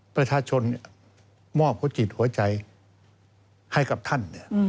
ประชาชนมอบหัวจิตหัวใจให้กับท่าน